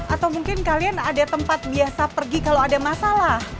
atau mungkin kalian ada tempat biasa pergi kalau ada masalah